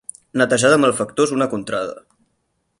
Netejar de malfactors una contrada.